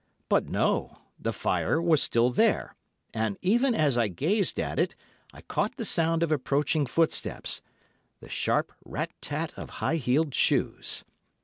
But no; the fire was still there, and even as I gazed at it I caught the sound of approaching footsteps—the sharp rat tat of high heeled shoes.